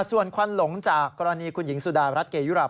ส่วนควันหลงจากกรณีคุณหญิงสุดารัฐเกยุราบ